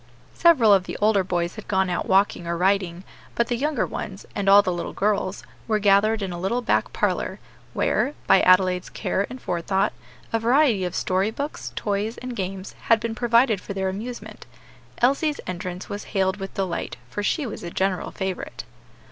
Several of the older boys had gone out walking or riding, but the younger ones, and all the little girls, were gathered in a little back parlor, where, by Adelaide's care and forethought, a variety of story books, toys, and games, had been provided for their amusement. Elsie's entrance was hailed with delight, for she was a general favorite.